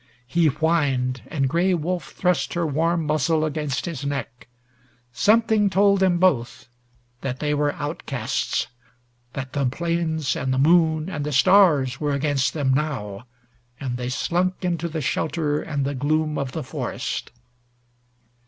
He whined, and Gray Wolf thrust her warm muzzle against his neck. Something told them both that they were outcasts, that the plains, and the moon, and the stars were against them now, and they slunk into the shelter and the gloom of the forest.